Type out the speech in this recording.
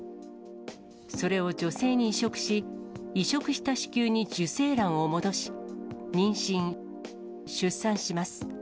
それを女性に移植し、移植した子宮に受精卵を戻し、妊娠、出産します。